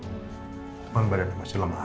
cuman badannya masih lama aja